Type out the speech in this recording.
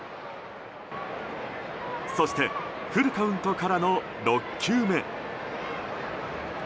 そしてフルカウントからの６球目。